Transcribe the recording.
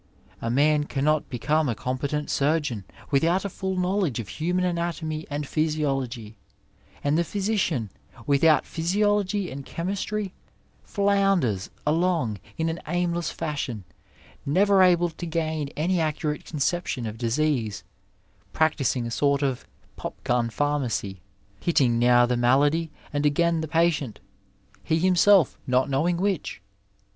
A man cannot become a competent surgeon without a full knowledge of human anatomy and physiology, and the physician without physiology and chemistry floimders along in an aimless fashion, never able to gain any accurate conception of disease, practising a sort of pop gun pharmacy, hitting now the malady and again the patient, he himself not knowing which.